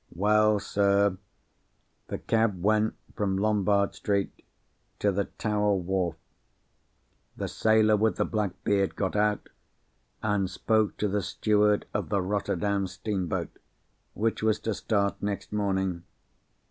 "Well, sir, the cab went from Lombard Street to the Tower Wharf. The sailor with the black beard got out, and spoke to the steward of the Rotterdam steamboat, which was to start next morning.